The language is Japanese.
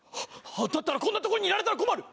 だったらこんな所にいられたら困る！